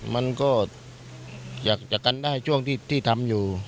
มันก็อยากจะกันได้ช่วงที่ทำอยู่